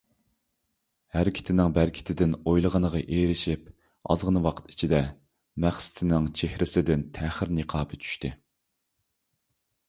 ھەرىكىتىنىڭ بەرىكىتىدىن ئويلىغىنىغا ئېرىشىپ، ئازغىنا ۋاقىت ئىچىدە، مەقسىتىنىڭ چېھرىسىدىن تەخىر نىقابى چۈشتى.